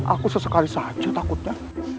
aku sesekali saja takutnya